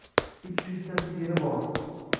Uch yuzta sigiri bor.